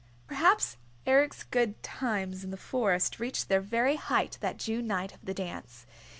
... Perhaps Eric's good times in the Forest reached their very height that June night of the dance.